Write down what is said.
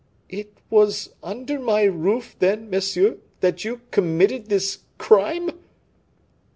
"It was under my roof, then, monsieur, that you committed this crime?"